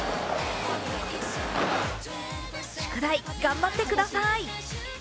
宿題頑張ってください。